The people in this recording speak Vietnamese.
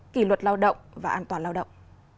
kỷ luật lao động và an toàn lao động